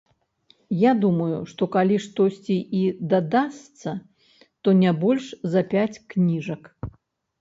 Я думаю, што калі штосьці і дадасца, то не больш за пяць кніжак.